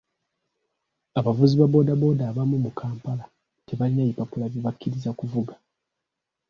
Abavuzi ba boodabooda abamu mu Kampala tebalina bipapula bibakkiriza kuvuga.